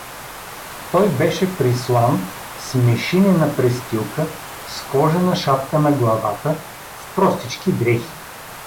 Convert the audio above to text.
Той беше прислан с мешинена престилка, с кожена шапка на главата, в простички дрехи.